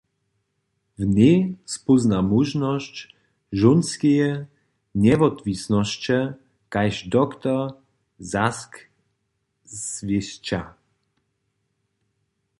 W njej spózna móžnosć žónskeje njewotwisnosće, kaž dr. Sack zwěsća.